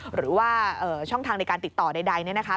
หรือว่าช่องทางในการติดต่อใดเนี่ยนะคะ